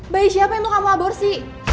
bayi siapa yang mau kamu aborsi